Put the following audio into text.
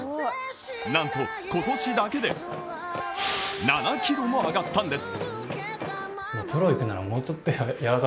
なんと今年だけで７キロも上がったんです。